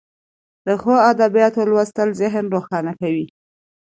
د ښو ادبیاتو لوستل ذهن روښانه کوي.